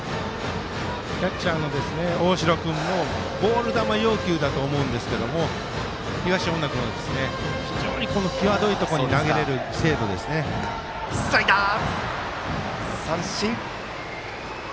キャッチャーの大城君もボール球要求だと思うんですけど東恩納君は非常に際どいところに投げられる三振。